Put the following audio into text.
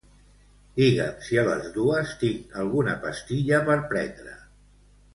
Digue'm si a les dues tinc alguna pastilla per prendre.